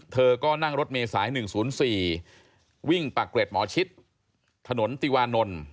เธอก็นั่งรถเมษาย๑๐๔วิ่งปากเกร็ดหมอชิดถนนติวานนท์